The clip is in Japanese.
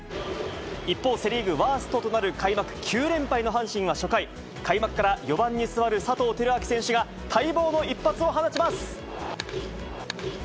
一方、セ・リーグワーストとなる開幕９連敗の阪神は初回、開幕から４番に座る佐藤輝明選手が、待望の一発を放ちます。